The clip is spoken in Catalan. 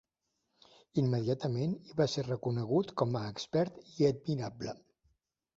Immediatament hi va ser reconegut com a expert i admirable.